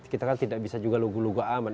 kita kan tidak bisa juga lugu lugu amat